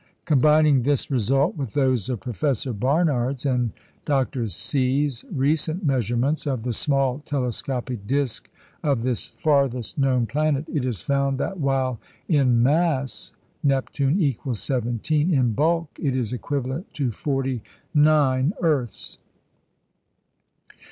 Combining this result with those of Professor Barnard's and Dr. See's recent measurements of the small telescopic disc of this farthest known planet, it is found that while in mass Neptune equals seventeen, in bulk it is equivalent to forty nine earths.